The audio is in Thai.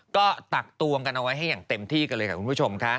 ก็ตักตวงกันเอาไว้ให้อย่างเต็มที่กันเลยค่ะคุณผู้ชมค่ะ